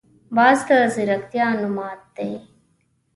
باز د ځیرکتیا نماد دی